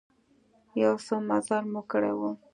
يو څه مزل مو کړى و.